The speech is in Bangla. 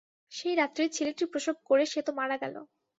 সেই রাত্রেই ছেলেটি প্রসব করে সে তো মারা গেল।